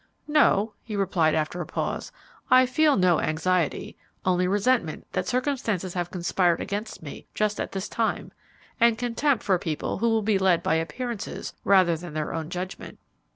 "No," he replied, after a pause; "I feel no anxiety, only resentment that circumstances have conspired against me just at this time, and contempt for people who will be led by appearances rather than their own judgment."